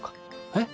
えっ？